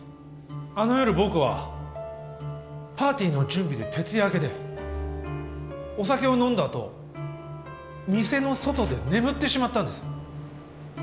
あの夜僕はパーティーの準備で徹夜明けでお酒を飲んだ後店の外で眠ってしまったんです。